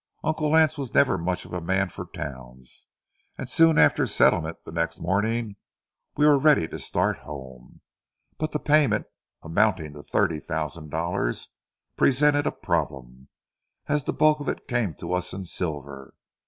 Uncle Lance was never much of a man for towns, and soon after settlement the next morning we were ready to start home. But the payment, amounting to thirty thousand dollars, presented a problem, as the bulk of it came to us in silver.